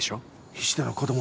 菱田の子供。